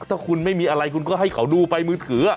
ถ้าคุณไม่มีอะไรคุณก็ให้เขาดูไปมือถือ